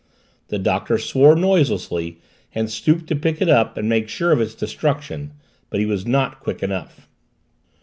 The Doctor swore noiselessly and stooped to pick it up and make sure of its destruction. But he was not quick enough.